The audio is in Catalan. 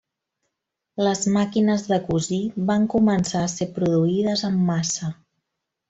Les màquines de cosir van començar a ser produïdes en massa.